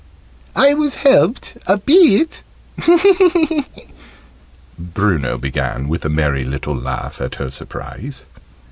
"I was helped a bit," Bruno began, with a merry little laugh at her surprise.